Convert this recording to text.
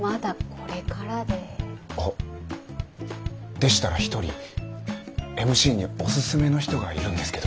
あっでしたら一人ＭＣにおすすめの人がいるんですけど。